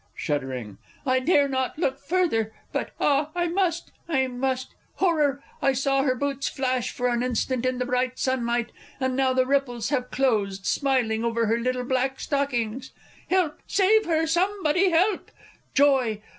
(Shuddering.) I dare not look further but ah, I must I must!... Horror! I saw her boots flash for an instant in the bright sunlight: and now the ripples have closed, smiling, over her little black stockings!... Help! save her, somebody! help!... Joy!